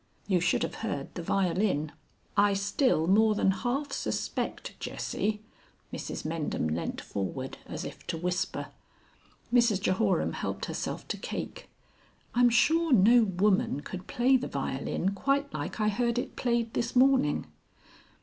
"You should have heard the violin." "I still more than half suspect, Jessie " Mrs Mendham leant forward as if to whisper. Mrs Jehoram helped herself to cake. "I'm sure no woman could play the violin quite like I heard it played this morning."